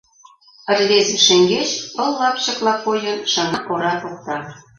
Рвезе шеҥгеч, пыл лапчыкла койын, шыҥа ора покта.